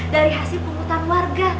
dari hasil penghutang warga